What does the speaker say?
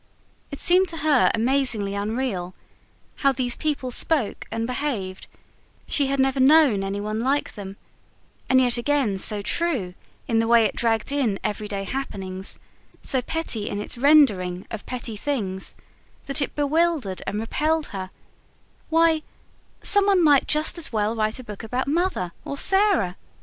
It seemed to her amazingly unreal how these people spoke and behaved she had never known anyone like them; and yet again so true, in the way it dragged in everyday happenings, so petty in its rendering of petty things, that it bewildered and repelled her: why, some one might just as well write a book about Mother or Sarah!